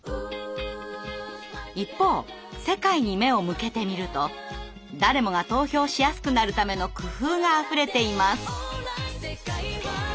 一方世界に目を向けてみると誰もが投票しやすくなるための工夫があふれています。